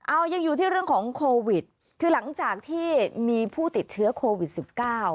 เอายังอยู่ที่เรื่องของโควิดคือหลังจากที่มีผู้ติดเชื้อโควิดสิบเก้า